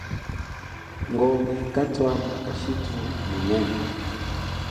Ngombe kathama kashithu munene